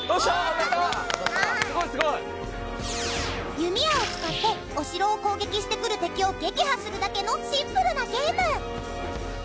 弓矢を使ってお城を攻撃してくる敵を撃破するだけのシンプルなゲーム。